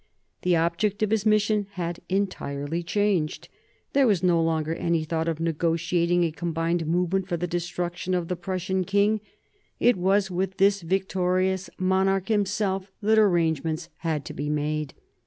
The object of his mission had entirely changed. There was no longer any thought of negotiating a combined movement for the destruction of the Prussian king ; it was with this victorious monarch himself that arrangements had to be made.